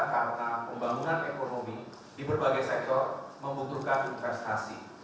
karena pembangunan ekonomi di berbagai sektor membutuhkan investasi